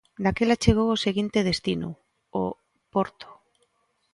Daquela chegou o seguinte destino: o porto.